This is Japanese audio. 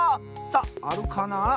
さああるかな？